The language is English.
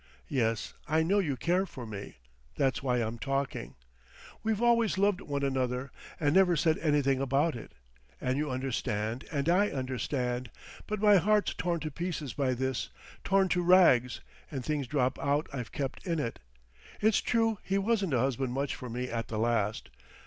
Yes, I know you care for me. That's why I'm talking. We've always loved one another, and never said anything about it, and you understand, and I understand. But my heart's torn to pieces by this, torn to rags, and things drop out I've kept in it. It's true he wasn't a husband much for me at the last.